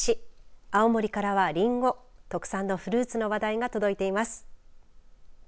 青森からはリンゴ特産のフルーツの話題が届いています。